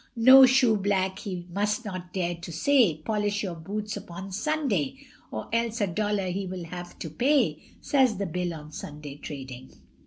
No shoeblack, he must not dare to say, Polish your boots upon Sunday, Or else a dollar he will have to pay, Says the Bill on Sunday trading.